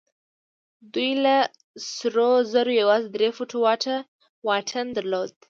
دوی له سرو زرو يوازې درې فوټه واټن درلود.